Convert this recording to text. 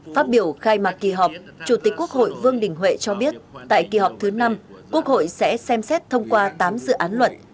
phát biểu khai mạc kỳ họp chủ tịch quốc hội vương đình huệ cho biết tại kỳ họp thứ năm quốc hội sẽ xem xét thông qua tám dự án luật